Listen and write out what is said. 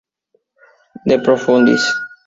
De profundis.